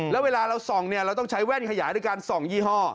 แล้วเวลาเราส่องเนี่ยเราต้องใช้แว่นขยายด้วยการส่องยี่ห้อ